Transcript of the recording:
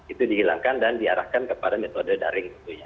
itu dihilangkan dan diarahkan kepada metode daring